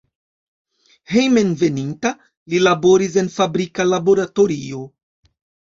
Hejmenveninta, li laboris en fabrika laboratorio.